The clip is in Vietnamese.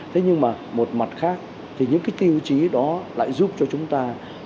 thế nhưng mà một mặt khác thì những cái tiêu chí đó lại giúp cho chúng ta